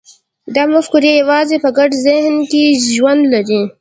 دا مفکورې یوازې په ګډ ذهن کې ژوند لري.